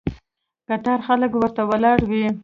قطار خلک ورته ولاړ وي.